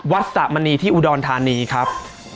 สะมณีที่อุดรธานีครับ